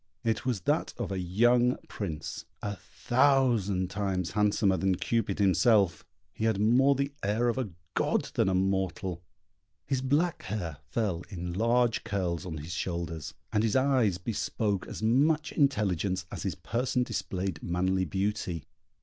It was that of a young Prince, a thousand times handsomer than Cupid himself; he had more the air of a god than a mortal; his black hair fell in large curls on his shoulders, and his eyes bespoke as much intelligence as his person displayed manly beauty.